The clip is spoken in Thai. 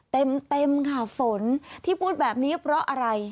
เต็มค่ะฝนที่พูดแบบนี้เพราะอะไร